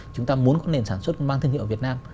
chúng ta muốn có nền sản xuất mang thương hiệu ở việt nam